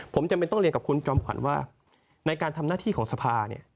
ผมจำเป็นต้องเรียนกับคุณจอมขวัญว่าในการทำหน้าที่ของสภาเนี่ย